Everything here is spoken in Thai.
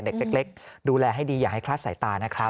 เด็กเล็กดูแลให้ดีอย่าให้คลาดสายตานะครับ